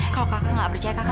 kalau kamu gak percaya kakak